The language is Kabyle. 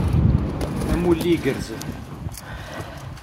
Amulli igerrzen!